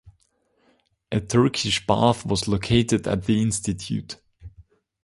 A Turkish bath was located at the institute.